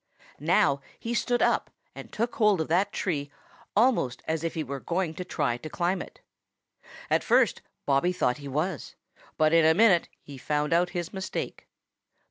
Now he stood up and took hold of that tree almost as if he were going to try to climb it. At first Bobby thought he was, but in a minute he found out his mistake.